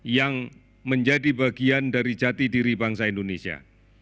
yang menjadi bagian dari jati diri bangsa indonesia